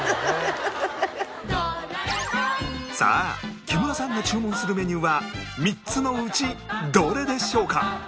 さあ木村さんが注文するメニューは３つのうちどれでしょうか？